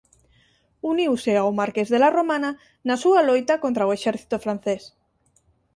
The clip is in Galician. Uniuse ao Marqués de la Romana na súa loita contra o exército francés.